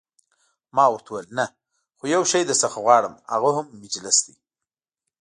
ما ورته وویل: نه، خو یو شی درڅخه غواړم، هغه هم مجلس دی.